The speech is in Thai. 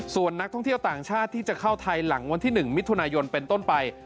ส่วนนักท่องเที่ยวต่างชาติที่จะเข้าไทยหลังวันที่๑มิถุนายนเป็นต้นไป